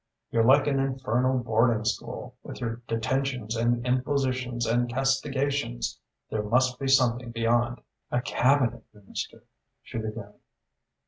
"You're like an infernal boarding school, with your detentions and impositions and castigations. There must be something beyond." "A Cabinet Minister " she began.